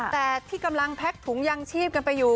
แต่ที่กำลังแพ็กถุงยางชีพกันไปอยู่